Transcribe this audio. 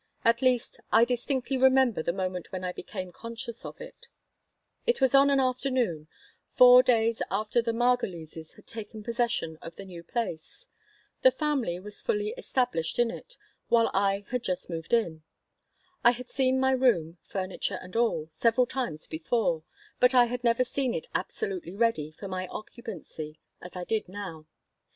At least I distinctly remember the moment when I became conscious of it It was on an afternoon, four days after the Margolises had taken possession of the new place. The family was fully established in it, while I had just moved in. I had seen my room, furniture and all, several times before, but I had never seen it absolutely ready for my occupancy as I did now.